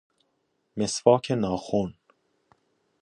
مسواک ناخن